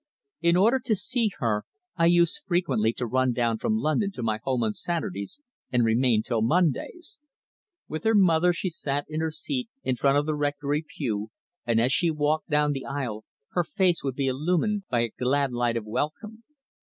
In order to see her I used frequently to run down from London to my home on Saturdays and remain till Mondays. With her mother she sat in her seat in front of the Rectory pew, and as she walked down the aisle her face would be illumined by a glad light of welcome.